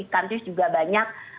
countries juga banyak